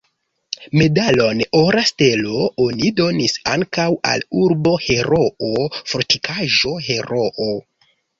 Medalon "Ora stelo" oni donis ankaŭ al "Urbo-Heroo", "Fortikaĵo-Heroo".